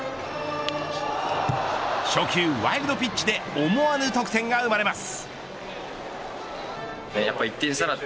初球ワイルドピッチで思わぬ得点が生まれます。